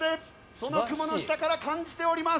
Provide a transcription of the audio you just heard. その雲の下から感じております。